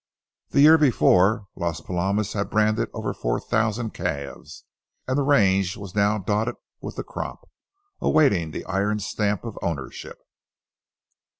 The year before, Las Palomas had branded over four thousand calves, and the range was now dotted with the crop, awaiting the iron stamp of ownership.